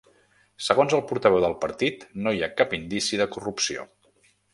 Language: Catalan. Segons el portaveu del partit no hi ha cap indici de corrupció.